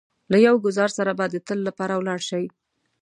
له يو ګوزار سره به د تل لپاره ولاړ شئ.